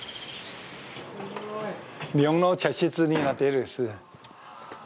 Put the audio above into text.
日本の茶室になっています。